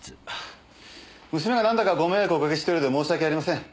娘がなんだかご迷惑をおかけしてるようで申し訳ありません。